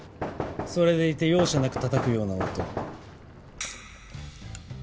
それでいて容赦なくたたくような音。